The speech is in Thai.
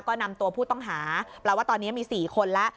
ก็นำตัวผู้ต้องหาแปลว่าตอนนี้มี๔คนแล้ว